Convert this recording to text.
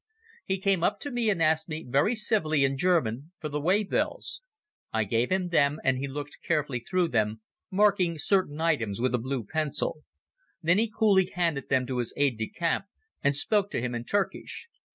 He came up to me and asked me very civilly in German for the way bills. I gave him them and he looked carefully through them, marking certain items with a blue pencil. Then he coolly handed them to his aide de camp and spoke to him in Turkish.